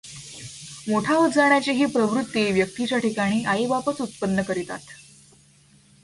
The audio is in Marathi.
मोठा होत जाण्याची ही प्रवृत्ती व्यक्तीच्या ठिकाणी आईबापच उत्पन्न करितात.